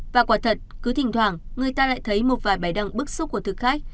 và quả thật cứ thỉnh thoảng người ta lại thấy một vài bài đăng bức xúc của thực khách